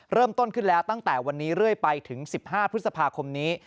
เริ่มต้นขึ้นแล้วตั้งแต่วันนี้เรื่อยไปถึง๑๕พฤษภาคมนี้